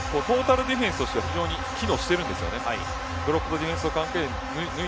日本のブロックトータルディフェンスとしては機能しているんですよね。